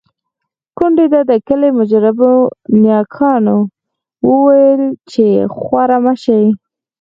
کونډې ته د کلي مجربو نياګانو وويل چې خواره مه شې.